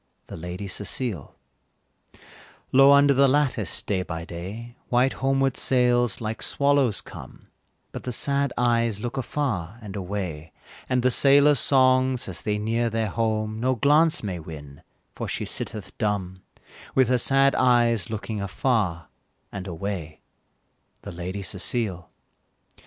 The Lady Cecile. Low under the lattice, day by day, White homeward sails like swallows come, But the sad eyes look afar and away, And the sailors' songs as they near their home, No glance may win, for she sitteth dumb, With her sad eyes looking afar and away, The Lady Cecile.